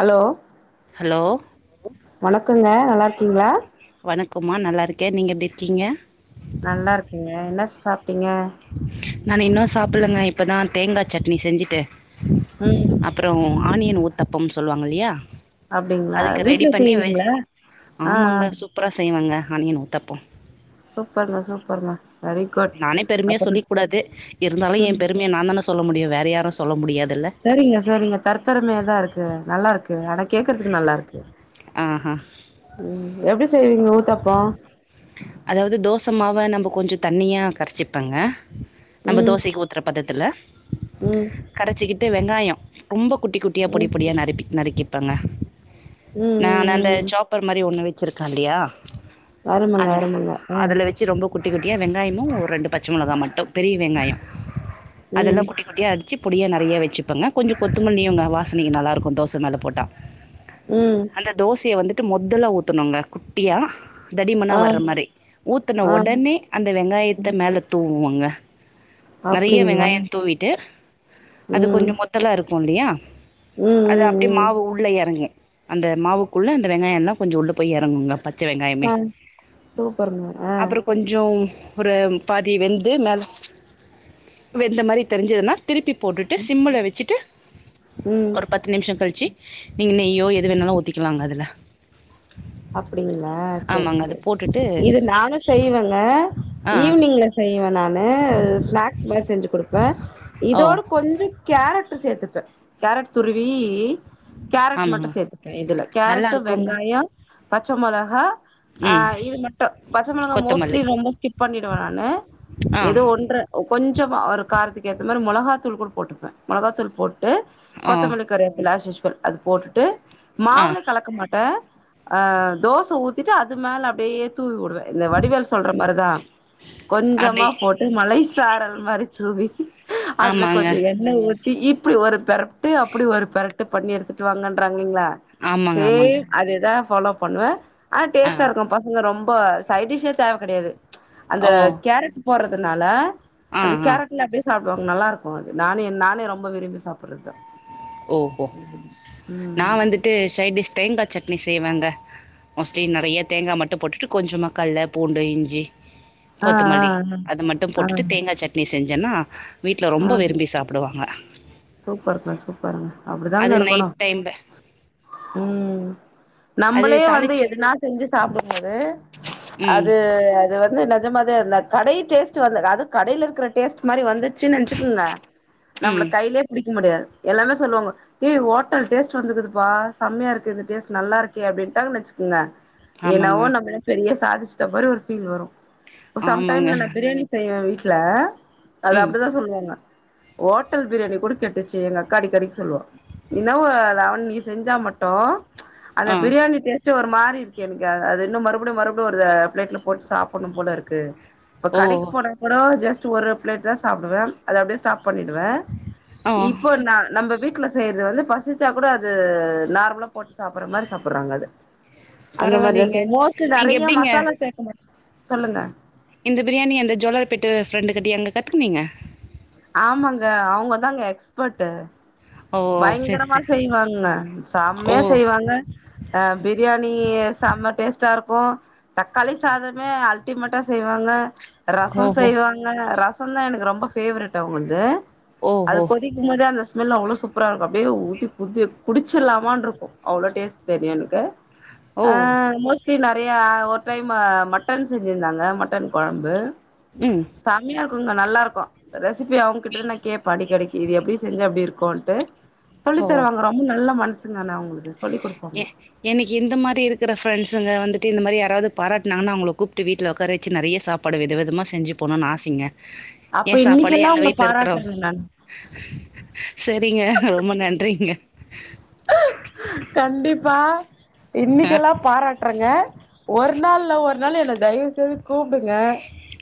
allow hello வணக்கங்க நல்லாருக்கீங்களா வணக்கம்மா நல்லாருக்கேன் நீங்க எப்டிருக்கீங்க நல்லாருக்குங்க என்ன சாப்ட்டீங்க நானு இன்னு சாப்பல்லங்க இப்பதா தேங்கா சட்னி செஞ்சுட்டு ம் அப் அப்பறோ ஆனியன் ஊத்தப்பம் சொல்லுவாங்கல்லியா அப்டிங்களா அதுக்கு வீட்ல ரெடி பண்ணி செய்வீங்களா ஆ ஆ ஆமாங்க சூப்பரா செய்வங்க ஆனியன் ஊத்தப்பம் சூப்பர்ங்க சூப்பர்ங்க நறை நானே பெருமையா சொல்லிக்கூடாது இருந்தாலு ம் என் பெருமைய நான்தான சொல்ல முடியு வேற யாரு சொல்ல முடியாதுல்ல சேரிங்க சேரிங்க தற்பெருமையாதாருக்கு நல்லாருக்கு ஆனா கேக்கறதுக்கு நல்லாருக்கு ஆஹா ம் எப்டி செய்வீங்க ஊத்தப்போ அதாவது தோசமாவ நம்ம கொஞ்சோ தண்ணியா கரச்சிப்பங்க நம்ப ம் தோசக்கி ஊத்துற பதத்துல ம் கரச்சிகிட்டு வெங்காயோ ரொம்ப குட்டி குட் டியா ம் ம் பொடிப்பொடி நறுப்பி நறுக்கிப்பங்க ம் ம் நானந்த சாப்பர் மாரி ஒண்ணு வச்சிருக்கல்லியா அருமங்க அந்த அத அருமங்க ஆ அதுல வச்சு ரொம்ப குட்டி குட்டியா வெங்காயமும் ஒரு ரெண்டு பச்ச மொளகா மட்டு பெரிய வெங்காயோ அதல்லா ம் குட்டி குட்டியா அடிச்சிப் பொடியா நறையா வச்சுப்பங்க கொஞ்சோ கொத்தமல்லியுங்க வாசனகி நல்லாருக்கு தோச மேல போட்டா ம் அந்த தோசய வந்துட்டு மொத்தல ஊத்துனுங்க குட்டியா தடிமனா ஆ வ வற மாரி ஊத்துன ஆ ஒடனே அந்த வெங்காயத்த மேல தூவுவங்க நெறைய அப்டிங்களா வெங்காயோ தூவிட்டு அது ம் கொஞ்சோ மொத்தலா இருக்குல்லியா ம் அது ம் அப்டியே ம் மாவு உள்ள எறங்கு அந்த மாவுக்குள்ள அந்த வெங்காயெல்லா கொஞ்சோ உள்ள போயி எறங்குங்க பச்ச வெங்காயமே ஆ சூப்பருங்க அ அப்றோ கொஞ்சோ ஒரு பாதி வெந்து மேல வெந்த மாரி தெரிஞ்சதுன்னா திருப்பி போட்டுட்டு சிம்முள வச்சுட்டு ம் ஒரு பத் த்து நிமிஷோ கழிச்சு நெய்லயோ எது வேணாலு ஊத்திக்கலாங்க அதுல அப்பிடிங்களா செரி ஆமாங்க அது செரி போட்டுட்டு இது நானு செய்வங்க ஆ ஈவினிங்ல செய்வே நானு ஸ்நாக்ஸ் மாரி செஞ்சு குடுப்ப ஓ இதோட கொஞ்சோ கேரட்டு சேத்துப்ப கேரட் துருவி இ கேரட் மட்டு ஆமாங்க சேத்துப்ப இதுல நல்லா கேரட்டு இருக்குங்க வெங்காய பச்சமொளகா அ ம் இது மட்டு பச்சமொளகா மோஸ்ட்லி கொத்தமல்லி ரொம்ப ஸ்கிப் பண்ணிடுவ நானு ஆ எதோ ஒன்ற ஒ கொஞ்சமா ஒரு காரத்துக்கேத்த மாரி மொளகாத்தூள் கூட போட்டுப்ப மொளகாத்தூள் போட்டு ஆ கொத்தமல்லி கருவேபில அஸ் யூஸ்வல் அது போட்டுட்டு ஆ மாவுல கலக்க மாட்டேன் ஹ தோச ஊத்திட்டு அது மேல அப்டியே தூவி விடுவே இந்த வடிவேல் சொல்ற மாரிதா கொஞ்சமா அப்டி போட் மழை சாரல் மாரி தூவி அதுல கொஞ்ச ஆமாங்க எண்ண ஊத் இப்படி ஒரு பெரட் அப்படி ஒரு பெர்ட் பண்ணி எடுத்துட்டு வாங்கன்றாங்கீங்களா ஆமாங்க ஆமாங்க சேம் அதுதா ஃபாலோ பண்வ ஆனா ஆ டேஸ்ட்டா இருக்கு பசங்க ரொம்ப சைட்டிஷே தேவ கெடையாது அந்த ஓ கேரட் போட்றதுனால ஆ அந்த ஆ கேரட்அப்டியே சாப்டுவாங்க நல்ல இருக்கு அது நானு நானே ரொம்ப விரும்பி சாப்புட்றத்தா ஓஹோ நா ம் வந்துட்டு சைடிஷ் தேங்கா சட்னி செய்வேங்க மோஸ்ட்லி நெறைய தேங்கா மட்டு போட்டுட்டு கொஞ்ச கள்ள பூண்டு இஞ்சி ஆ ஆ கொத்தமல்லி அது மட்டு ஆ ஆ போட்டுட்டு தேங்கா சட் னி செஞ்சன்னா வீட்ல ரொம்ப விரும்பி சாப்புடுவாங்க சூப்பர்ருங்க சூப்பர்ருங்க அப்புடிதாங்க அது இருக்கணு நைட் டைம்ல ம் அது நம்பளே வந்து தாளிச்சு எதுனா செஞ்சு சாப்புடும்பது ம் அது அது வந்து என்ன நஞ்ச மாதிரி அந்த கடை டேஸ்ட் வர்ல அது கடைல இருக்கிற டேஸ்ட் மாதிரி வந்துச்சு நினைச்சுக்கங்க நம்பள ம் கையிலியே புடிக்க முடியாது எல்லாமே சொல்வாங்க ஏய் ஹோட்டல் டேஸ்ட் வந்துகுதுப்பா செமையா இருக்கு இந்த டேஸ்ட் நல்லா இருக்கே அப்படன்ட்டாங்க வெச்சுக்கோங்க என்னாவோ ஆமாங்க நம்ம பெரிய சாதிச்சிட்ட மாரி ஒரு பீல் வரும் ஆமாங்க சம்டைம்ல நா பிரியாணி செய்வ வீட்ல அது ம் அப்புடிதா சொல்வாங்க ஹோட்டல் பிரியாணி கூட கெட்டுச்சி எங்க அடிக்கடிக் சொல்லுவா ன்னாவோ லாவண் நீ செஞ்சா மட்டோ அந்த ஆ பிரியாணி டேஸ்ட் ச ஒரு மாறி இருக்கு எனக்கு அ அது இன்னும் மறுபடியும் மறுபடியும் ஒரு பிளேட்ல போட்டு சாப்டணும் போல இருக்கு இப்ப ஓ கடைக் போனா கூட ஜஸ்ட் ஒரு பிளேட்தாசாப்டுவே அது அப்டியே சாப் பண்ணிடுவே ஆ இப்போ நா நம்ப வீட்ல செய்றது வந்து பசிச்சா கூட அது நார்மலா போட்டு சாப்ற மாரி சாப்றாங்க அது அந்த மாரிதா பரவாயில்லைங்க செய் மோஸ்ட் நீங்க நெறைய எப்டிங்க மசாலா சேக்க மாட்ட சொல்லுங்க இந்த பிரியாணி அந்த ஜோலார்பேட்ட ஃப்ரெண்டு கட்டயாங்க கத்துக்குனீங்க ஆமாங்க அவுங்கதாங்க எக்ஸ்பர்ட்டு [unintelligible] சரி பயங்கரமா சரி செய்வாங்க ஓ சம்யா செய்வாங்க அ பிரியாணி செம்ம டேஸ்ட்டா இருக்கு தக்காளி சாதமே அல்டிமேட்டா செய்வாங்க ரசோ ஓஹோ செய்வாங்க ரச தா எனக்கு ரொம்பபேவரெட் அவ்ங்கள்து அது ஓஹோ கொதிக்கும்போதே அந்த ஸ்மெல் அவ்ளோ சூ ப்பரா இருக்கு அப்டியே ஊத்தி குடி குடிச்சிடலாமான்னு இருக்கு அவ்ளோ டேஸ்ட் தெரியு எனுக்கு ஓ ஆ மோஸ் லி நெறையா ஒரு டைமு மட்டன் செஞ்சிந்தாங்க மட்டன் கொழம்பு ம் செமையா இருக்குங்க நல்லாருக்கு ரெசிபி அவ்ங்க கிட்ட த நா கேப்பே அடிக்கடிக்கு இது எப்டி செஞ்சு அப்டி இருக்குன்ட்டு சொல்லி ஓ தருவாங்க ரொம்ப நல்ல மனசுங்கானா அவுங்குளுக்கு ஏ எனுக்கு இந்த மாரி இருக்கிற ஃரெண்ட்ஸுங்க வந்துட்டு இந்த மாரி யாராவது பாராட்டாங்கன்னு அவங்கள கூப்ட்டு வீட்டுல உக்கார வெச் சி நெறைய சாப்பாடு வித விதமா செஞ்சு போணுன்னு ஆசைங்க அப்ப ஏ சாப்பாடு இன்னைக்கெல்லா எங்க உங்கள வீட்டுல இருக்குறவ பாராட்டுறேங்க நானு செரிங்க ரொம்ப நன்றிங்க கண்டிப்பா இன்னைக்கெல்லா பாராட்டுறங்க ஒரு நாள் இல்ல ஒரு நாள் என்ன தய்வ்செய்து கூப்டுங்க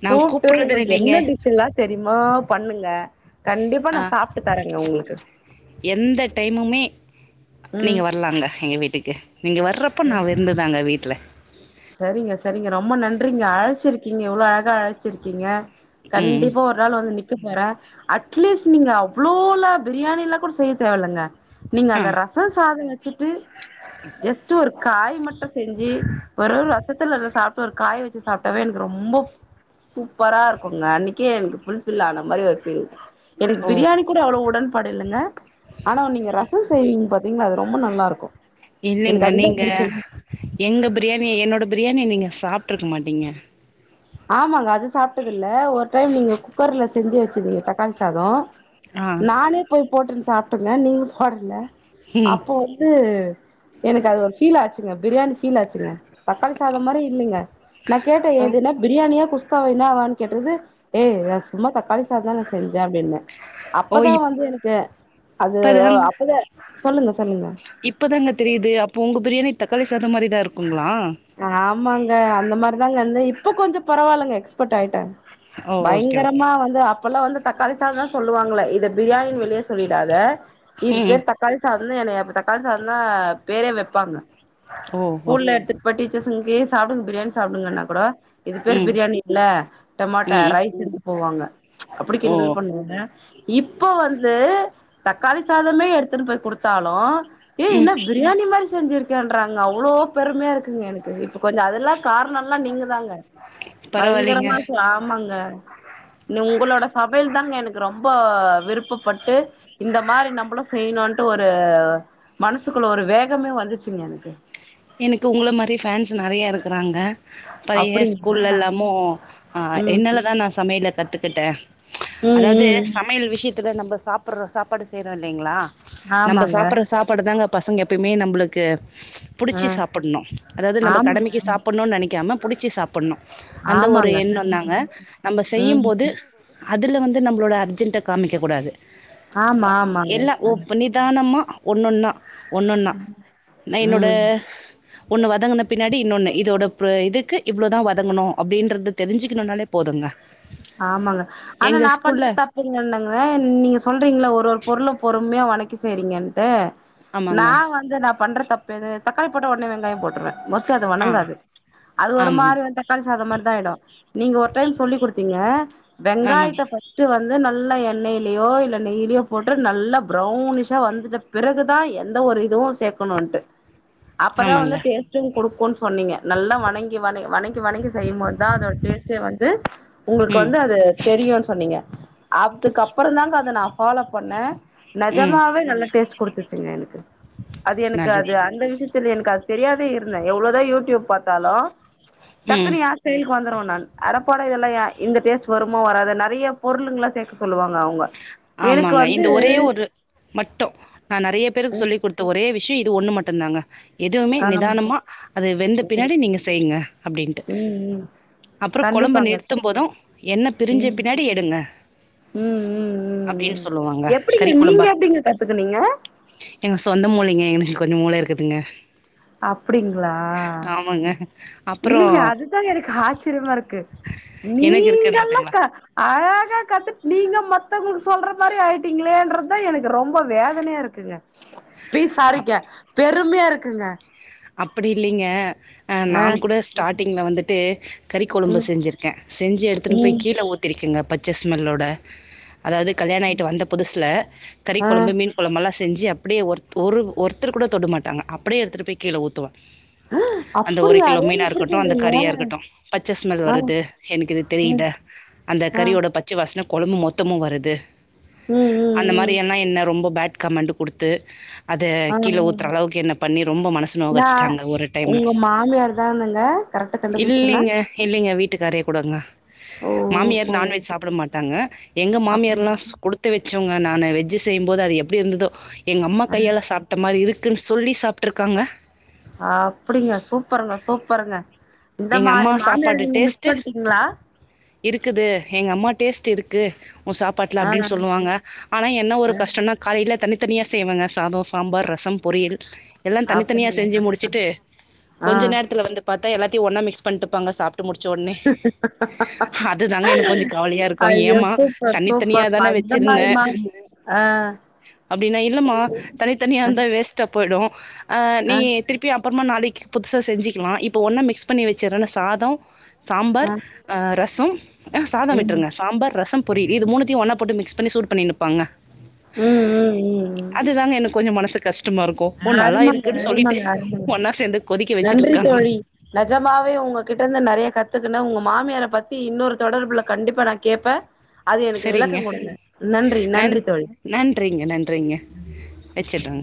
நா கூப்ட்டு கூப்புட்றதுன்னு உங்கள்க் இல்லைங்க என்ன டிஷ் எல்லா தெரிமோ பண்ணுங்க கண்டிப்பா நா ஆ சாப்ட்டு தரேங்க உங்கள்க்கு எந்த டைமுமே நீங்க வர்லாங்க எங்க வீட்டுக்கு நீங்க வர்றப் போ நா ம் விருந்துதாங்க வீட்ல சரிங்க சரிங்க ரொம்ப நன்றிங்க அழ்ச்சிருக்கீங்க இவ்ளோ அழகா அழ்ச்சிருக்கீங்க ம் கண்டிப்பா ஒரு நாள் வந்து நிக்க போறே அட்லீஸ்ட் நீங்க அவ்ளோலா பிரியாணிலா கூட செய்ய தேவல்லங்க நீங்க ஆ அந்த ரச சாதோ வெச்சிட்டு ஜஸ்ட்டு ஒரு காய் மட்டு செஞ்சி வெறு ரசத்த நல்லா சாப்ட்டு ஒரு காய் வெச்சி சாப்ட்டாவே எனக்கு ரொம்போ சூப்பராருக்குங்க அன்னிக்கே எனக்கு ஃபுல்ஃபில் ஆன மாரி ஒரு ஃபீல் எனக் ஓ பிரியாணி கூட அவ்ளோ உடன்பாடு இல்லங்க ஆனா நீங்க ரசோ செய்வீங்க பாத்தீங்ளா அது ரொம்போ நல்லாருக்கு இல்லைங்க எனக்கு அதுதா நீங்க புடிச்சது எங்க பிரியாணி என்னோட பிரியாணிய நீங்க சாப்ட்ருக்க மாட்டீங்க ஆமாங்க அது சாப்ட்டதில்ல ஒரு டைம் நீங்க குக்கர்ல செஞ்சு வெச்சிர்தீங்க தக்காளி சாதோ ஆ நானே போய் போட்டுன் சாப்ட்டங்க நீங்க போடல ம் அப்போ வந்து எனக்கு அது ஒரு ஃபீல் ஆச்சுங்க பிரியாணி ஃபீல் ஆச்சுங்க தக்காளி சாதம் மாரி இல்லிங்க நா கேட்ட ஓ இது என்ன பிரியாணியா குஸ்க்காவா என்னவான் கேட்டது ஏய் நா சும்மா தக்காளி சாதோ தா நா செஞ்சே அப்டின்ன ஓ அப்பதா வந்து எனக்கு அது ஒ இப்பதாங்க அப்பவே சொல்லுங்க சொல்லுங்க இப்பதாங்க தெரியிது அப்போ உங்க பிரியாணி தக்காளி சாதோ மாரிதா இருக்குங்ளா ஆமாங்க அந்த மாரிதாங் செஞ்சே இப்ப கொஞ்சோ பரவால்லங்க எக்ஸ்பட் ஆய்ட்டே ஓ ஓகே ஓகே பயங்கரமா வந்து அப்பல்லா வந்து தக்காளி சாதோ தா சொல்லுவாங்ளே இது பிரியாணின் வெளிய சொல்லிடாத இது ம் பேர் தக் காளி சாதோன் தா என்னைய அப்ப தக்காளி சாதந்தா பேரே வெப்பாங்க ஓ ஓ ஸ்கூல்ல எடுத்துட் போய் டீச்சர்ஸுங்க்கு சாப்டுங் பிரியாணி சாப்டுங்கன்னா கூட இது பேர் ம் பிரியாணி இல்ல டோமாட்டா ம் ரைஸுன்ட்டு போவாங்க அப்பிடி ஓ கிண்டல் பண்ணுவாங்க இப்போ வந்து தக்காளி சாதமே எடுத்துட்டு போய் குடுத்தாலு ஏ ம் என்ன பிரியாணி மாரி செஞ்சிருக்கேன்றாங்க அவ்ளோ பெருமையா இருக்குங்க எனக் கு இப்ப கொஞ்சோ அதெல்லா கார்ணோல்லா நீங்கதாங்க பரவாயில்லைங்க பயங்கரமா ஆமாங்க உங்களோட சமையல் தாங்க எனக்கு ரொம்போ விருப்பப்பட்டு இந்த மாரி நம்பளு செய்ணுன் ட்டு ஒரு மனசுக்குள்ள ஒரு வேகமே வந்துச்சுங்க எனக்கு எனக்கு உங்கள மாரி ஃபேன்ஸ் நெறையா இருக்கறாங்க பைய அப்டிங்களா ஸ்கூல்லல்லாமு ஆ ம் என்னாலதா நா சமையல கத்துக்கிட்டே ம் அதாவ்து ம் சமையல் விஷ்யத்துல நம்ம சாப்பட்றோ சாப்பாடு செய்றோ இல்லீங்ளா நம்ப ஆமாங்க சாப்பட்ற சாப்பாடுதாங்க பசங்க எப்பயுமே நம்ப்ளுக்கு ஆ புடிச்சி சாப்பட்ணு அதாவ்து நம்ப ஆமாங்க கடமைக்கு சாப்பட்ணுன் நெனைக்காம புடிச்சி சாப் பட்ணு அந்த ஒரு ஆமாங்க எண்ணோந்தாங்க நம்ப செய்யும் ம் போது அதுல வந்து நம்ப்ளோட அர்ஜென்ட்ட காமிக்கக் கூடாது ஆமா அ ஆமாங்க எல்லா ஒ ப்ப நிதானமா ஒன்னொன்னா ஒன்னொன்னா நா என்னோட ம் ஒன்னு வதங்கின பின்னாடி இன்னோன்னு இதோட ப இதுக்கு இவ்ளோதா வதங்கணு அப்டின்றது தெரிஞ்சிக்கிணுன்னாலே போதுங்க ஆமாங்க ஆனா எங்க நா ஸ்கூல்ல பண்ற தப்பு இன்னோன்னுங்க நீங் நீங்க சொல்றீங்கல்ல ஒரு ஒரு பொருளு பொறுமையா வணக்கி செய்றீங்கன்ட்டு ஆமாங்க நா வந்து நா பண்ற தப் பு எது தக்காளி போட்டா ஒடனே வெங்காயோ போட்ருவே மோஸ்ட்லி அது ஆ வணங்காது அது ஒரு ஆமாங்க மாரி வந்து தக்காளி சாதோ மாரி தா ஆய்டு நீங்க ஒரு டைம் சொல்லி குடுத்தீங்க ஆமாங்க வெங்காயத்த ஃபஸ் ட்டு வந்து நல்லா எண்ணய்லயோ இல்ல நெய்லயோ போட்டு நல்லா ப்ரௌனிஷா வந்துட்ட பிறகுதா எந்த ஒரு இதுவு சேக்கணுன்ட்டு அப்பதா ஆமாங்க வந்து டேஸ்ட்டும் குடுக்குன் சொன்னிங்க நல்லா வணங்கி வண வணங்கி வணங்கி செய்மோத் தா அதோட டேஸ்ட் டு வந்து உங்குள்க்கு ம் வந்து அது தெரியுன் சொன்னிங்க அதுக்கு அப்றோ தாங்க அத நா ஃபாலோ பண்ண ம் நெஜமாவே நல்ல டேஸ்ட் குடுத்துச்சுங்க எனக்கு அது எனக்கு அது நல்லதுங்க அந்த விஷ்ய த்துல எனக் அது தெரியாதே இருந்தே எவ்ளோதா யூடியூப் பாத்தாலு ம் டக்குனு ஏ ஸ்டெய்ல்க்கு வந்துருவ நான் அடப்போட இதல்லாம் யார் இந்த டேஸ்ட் வருமோ வராதோ நெறய பொருளுங்லா சேக்க சொல்லுவாங்க அவுங்க ஆமாங்க இந்த ஒரே ஒரு மட்டோ நா நெறய பேருக்கு சொல்லி் குடுத் த ஒரே விஷ்யோ இது ஒண்ணு மட்டந்தாங்க எதுவுமே ஆமா நிதானமா அது வெந்த பின்னாடி நீங்க செய்ங்க அப்டின்ட்டு ம் ம் அப்றோ கொழம்ப கண்டிப்பாங்க க நிறுத்தும்போதும் எண்ண பிரிஞ்ச ம் பின்னாடி எடுங்க ம் ம் அப்படின்னு ம் சொல்லுவாங்க எப்டிங்க நீங்க எப்டிங்க கத்துக்குனீங்க ஏங்க சொந்த மூளைங்க எனக்கு கொஞ்சோ மூள இருக்குதுங்க அப்டிங்ளா ஆமாங்க அப் இல்லிங்க அதுதா எனக்கு ஆச்ரியமாருக்கு எனக்கு நீங்கல்லா இருக்குன்றதுங்களா கா அழகா கத்துட் நீங்க மத்தவுங்குளுக் சொல்ற மாரி ஆய்ட்டிங்ளேன்றதுதா எனக்கு ரொம்ப வேதனயா இருக்குங்க ப்ளீஸ் சாரிங்க பெருமியா இருக்குங்க அப்படி இல்லிங்க அ ஆ நான் கூட ஸ்டார்ட்டிங்ல வந்துட்டு கறி கொழம்பு ம் செஞ்சிருக்கே செஞ்சு எடுத்துட்டு ம் போய் கீழ ஊத் திருக்கேங்க பச்ச ஸ்மெல்லோட அதாது கல்யாண ஆய்ட்டு வந்த புதுஸ்ல கறி ஆ கொழம்பு மீன் கொழம்பெல்லா செஞ்சு அப்டியே ஒருத் ஒரு ஒருத்தர் கூட தொடு மாட்டாங்க அப்டியே எடுத்துட்டு போய் கீழ ஊத்துவே அந்த ஒரு அப்டியா கிலோ ஏங்க இப்டி மீனாருக்கட்டும் அந்த சொல்றீங்க கறியா இருக்கட்டும் பச்ச ஸ்மெல் ஆ வருது எனக்கு இது தெரில அந்த ஆ கறியோட ப ச்ச வாசன கொழம்பு மொத்தமு வருது ம் ம் ம் இது என்னா என்ன ரொம்ப பேட் கமெண்ட்டு குடுத்து அத ஆ கீழ ம் ஊத்ர அளவுக்கு என்ன பண்ணி ரொம்ப மனஸ் நா உங்க மாமியார் தானுங்க கரெக்ட்டா கண்டுபுஸ்ட்டன்னா எ இல்லிங்க வீட்டுக்காரே குடோங்க மாமியார் ஓஹோ நான்வெஜ் சாப்புட மாட்டாங்க எங்க மாமியார்லா ஸ் அப்டிங்களா குடுத்து வெச்சவுங்க நானு வெஜ்ஜு செய்யும்போது அது எப்டி இருந்துதோ எங்க அம்மா ஆ கையால சாப் மட்ட மாரி இருக்குன் சொல்லி சாப்ட்ருக்காங்க அப்டிங்க சூப்பருங்க சூப்பருங்க இந்த எங்கள் மாரி அம்மா மாமியார சாப்பாடு நீங்க மிஸ் டேஸ்ட்டு பண்ட்டீங்ளா இருக்குது எங்கம்மா டேஸ்ட்டு இருக்கு உ சாப் பாட்ல ஆ அப்டின் சொல்லுவாங்க ஆனா என்ன ஒரு ஆ கஷ்டோனா காலைல தனித்தனியா செய்வங்க சாதோ சாம்பார் ரசம் பொரியல் எல்லா தனித்தனியா செஞ்சு அப்டிங்களா முடிச்சிட்டு ஆ கொஞ்ச நேரத்ல வந்து பாத்தா எல்லாத்தயு ஒன்னா மிக்ஸ் பண்ட்டுப்பாங்க சாப் ட்டு முடிச்ச ஒட்னே அதுதாங்க எனக்கு கொஞ்சோ கவலயா இருக்கும் ஐயோ ஏமா சூப்பர் தனி தனியா சூப்பர்ப்பா தான இந்த மாரி வெச்சிருந்தே மா ஆ அப்டின்னா இல்லமா ஆ தனித்தனியாருந்த வேஸ்ட்டா போய்டும் அ நீ ஆ திருப் அப்யு அப்றமா நாளைக்கு புதுசாக செஞ்சிக்லா இப்போ ஒன்னா மிக்ஸ் பண்ணி வெச்சிறன்னா சாதோ சாம்பார் ஆ ரசோ அ சாதோ ம் விட்ருங்க சாம்பார் ரசம் பொரில் இது மூண்த்தியு ஒன்னா போட்டு மிக்ஸ் பண்ணி சூட் பண்ணிருப்பாங்க ம் ம் ம் அதுதாங்க எனக்கு கொஞ்சோ மனசு கஷ்டமா இருக்கு ஓ நல்லா அருமங்க இருக்குன்னு சொல்லிட்டு அருமங்க அருமங்க ஒன்னா சேர்ந்து கொதிக்க வெச்சிட்டு இருக்காங்க நஜமாவே உங்க கிட்ட இருந்து நறைய கத்துக்குன்ன உங்க மாமியார பத்தி இன்னொரு தொடர்புல கண்டிப்பா நா கேப்ப அது எனக்கு விளக்க சரிங்க கொடுங்க நன்றி நன் நன்றி தோழி வெச்சுட்டங்க